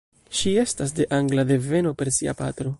Ŝi estas de angla deveno per sia patro.